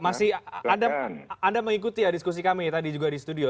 masih anda mengikuti ya diskusi kami tadi juga di studio